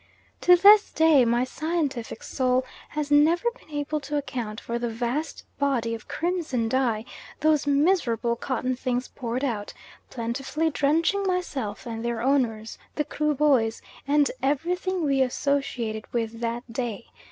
To this day my scientific soul has never been able to account for the vast body of crimson dye those miserable cotton things poured out, plentifully drenching myself and their owners, the Kruboys, and everything we associated with that day.